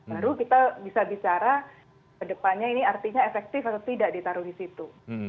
baru kita bisa bicara ke depannya ini artinya efektif atau tidak ditaruh di situ